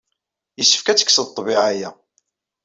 Yessefk ad tekkseḍ ḍḍbiɛa-a.